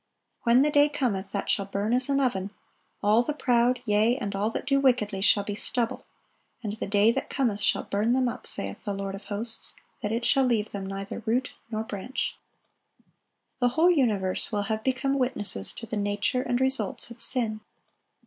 (888) When "the day cometh, that shall burn as an oven, ... all the proud, yea, and all that do wickedly, shall be stubble: and the day that cometh shall burn them up, saith the Lord of hosts, that it shall leave them neither root nor branch."(889) The whole universe will have become witnesses to the nature and results of sin.